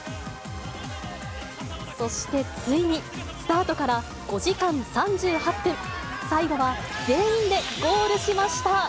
そしてついに、スタートから５時間３８分、最後は全員でゴールしました。